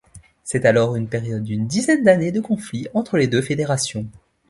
C'est alors une période d'une dizaine d'années de conflits entre les deux fédérations.